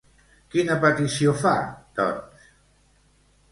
Quina petició fa, doncs?